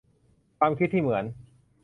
ความคิดที่เหมือน